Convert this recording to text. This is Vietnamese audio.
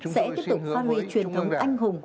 sẽ tiếp tục phát huy truyền thống anh hùng